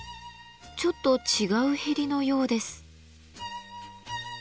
ちょっと違うへりのようです。